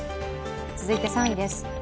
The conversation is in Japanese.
続いて３位です。